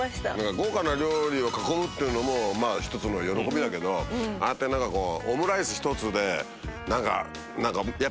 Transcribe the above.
豪華な料理を囲むっていうのも一つの喜びだけどああやってオムライスひとつで何か。